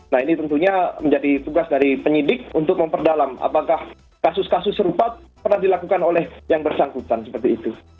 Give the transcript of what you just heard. nah ini tentunya menjadi tugas dari penyidik untuk memperdalam apakah kasus kasus serupa pernah dilakukan oleh yang bersangkutan seperti itu